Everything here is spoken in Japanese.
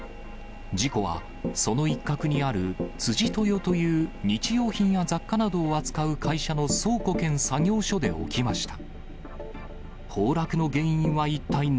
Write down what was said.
事故は、その一角にある、辻豊という日用品や雑貨などを扱う会社の倉庫兼作業所で起きました。